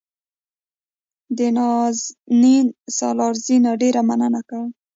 د نازنین سالارزي نه ډېره مننه کوم.